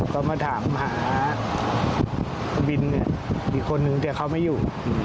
เขามาถามหากวินอีกคนนึงแต่เขาไม่อยู่